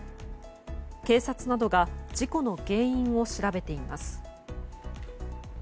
警察などが事故の原因を調べています。